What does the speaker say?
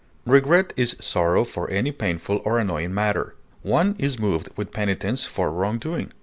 Regret is sorrow for any painful or annoying matter. One is moved with penitence for wrong doing.